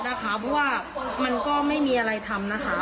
เพราะว่ามันก็ไม่มีอะไรทำนะคะ